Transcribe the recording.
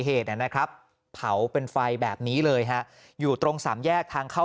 เหตุนะครับเผาเป็นไฟแบบนี้เลยฮะอยู่ตรงสามแยกทางเข้า